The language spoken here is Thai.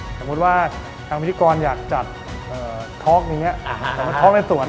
สมมุติว่าทางพิธีกรอยากจัดทอล์กนี้ทอล์กในสวน